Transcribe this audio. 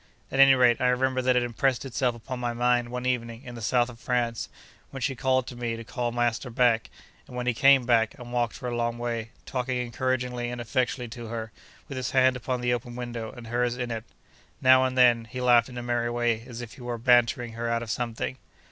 At any rate, I remember that it impressed itself upon my mind one evening in the South of France, when she called to me to call master back; and when he came back, and walked for a long way, talking encouragingly and affectionately to her, with his hand upon the open window, and hers in it. Now and then, he laughed in a merry way, as if he were bantering her out of something.